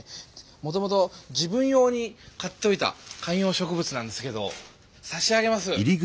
もともと自分用に買っておいた観葉植物なんですけど差し上げます。